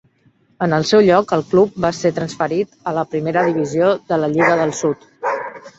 En el seu lloc, el club va ser transferit a la Primera Divisió de la Lliga del Sud.